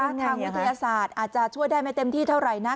ทางวิทยาศาสตร์อาจจะช่วยได้ไม่เต็มที่เท่าไหร่นัก